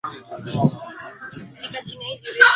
nguo usindikaji wa chakula autos umeme madini chuma